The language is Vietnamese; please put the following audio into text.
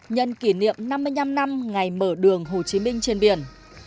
nhân kỷ niệm năm mươi năm năm ngày mở đường hồ chí minh trên biển